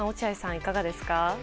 いかがですか？